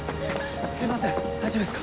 すいません大丈夫ですか？